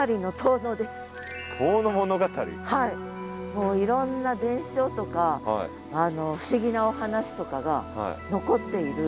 もういろんな伝承とか不思議なお話とかが残っている里なんです。